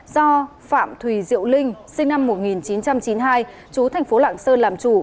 do phạm thùy diệu linh sinh năm một nghìn chín trăm chín mươi hai chú thành phố lạng sơn làm chủ